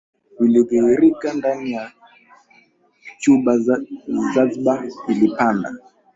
vilidhihirika ndani ya Cuba Jazba ilipanda